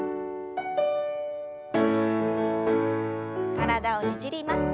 体をねじります。